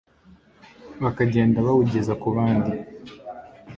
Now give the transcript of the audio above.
bakagenda bawugeza ku bandi